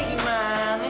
gak mau ga mau